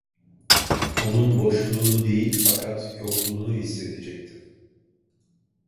Onun boşluğunu değil, fakat yokluğunu hissedecektim.